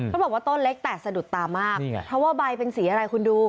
เขาบอกว่าต้นเล็กแต่สะดุดตามากเพราะว่าใบเป็นสีอะไรคุณดู